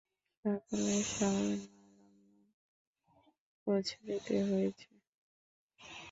সকালে সবার মালামাল পোঁছে দিতে হয়েছে।